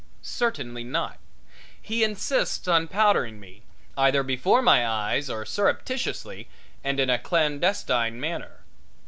Certainly not. He insists on powdering me, either before my eyes or surreptitiously and in a clandestine manner.